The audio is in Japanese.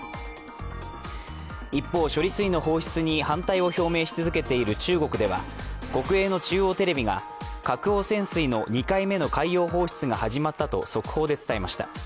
一方、処理水の放出に反対を表明し続けている中国では国営の中央テレビが核汚染水の２回目の海洋放出が始まったと速報で伝えました。